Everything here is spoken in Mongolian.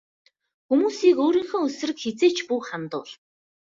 Хүмүүсийг өөрийнхөө эсрэг хэзээ ч бүү хандуул.